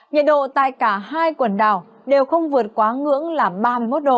nhiệt độ tại cả hai quần đảo đều không vượt quá ngưỡng là ba mươi một độ